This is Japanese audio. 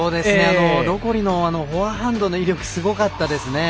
ロコリのフォアハンドの威力すごかったですね。